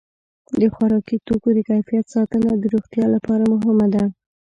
د خوراکي توکو د کیفیت ساتنه د روغتیا لپاره مهمه ده.